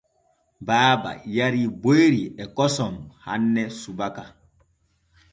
Baaba yarii boyri e kosom hanne subaka.